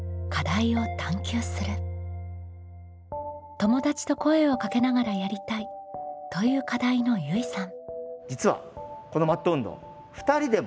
「友達と声をかけながらやりたい」という課題のゆいさん。